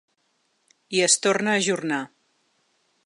I es torna a ajornar.